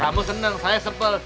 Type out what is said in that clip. kamu seneng saya sepel